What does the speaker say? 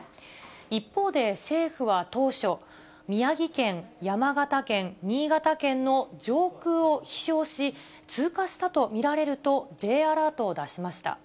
一方で政府は当初、宮城県、山形県、新潟県の上空を飛しょうし、通過したと見られるとＪアラートを出しました。